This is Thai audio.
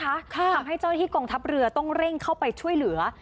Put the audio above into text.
ทำให้เจ้าที่กองทัพเรือต้องเร่งเข้าไปช่วยเหลือ